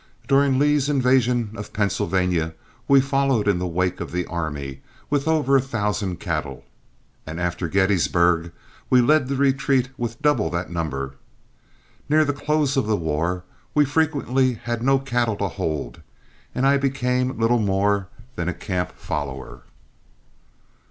During Lee's invasion of Pennsylvania we followed in the wake of the army with over a thousand cattle, and after Gettysburg we led the retreat with double that number. Near the close of the war we frequently had no cattle to hold, and I became little more than a camp follower.